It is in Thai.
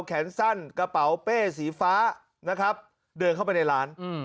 แขนสั้นกระเป๋าเป้สีฟ้านะครับเดินเข้าไปในร้าน